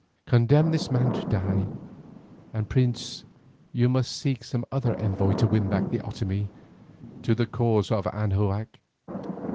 Condemn this man to die and Prince you must seek some other envoy to win back the Otomie to the cause of Anahuac."